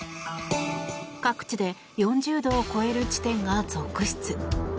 各地で４０度を超える地点が続出。